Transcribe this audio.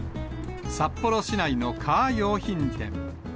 札幌市内のカー用品店。